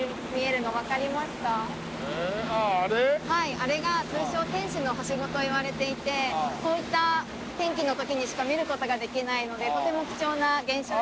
あれが通称天使のはしごといわれていてこういった天気の時にしか見る事ができないのでとても貴重な現象になっています。